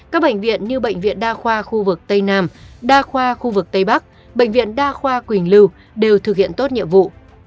các bệnh viện như bệnh viện đa khoa khu vực tây nam đa khoa khu vực tây bắc bệnh viện đa khoa quỳnh lưu đều thực hiện tốt nhiệm vụ